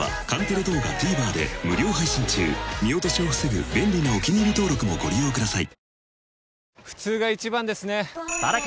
見落としを防ぐ便利なお気に入り登録もご利用ください。